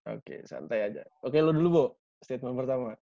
oke santai aja oke lo dulu bu statement pertama